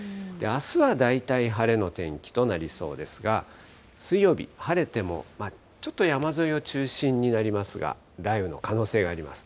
あすは大体晴れの天気となりそうですが、水曜日、晴れてもちょっと山沿いを中心になりますが、雷雨の可能性があります。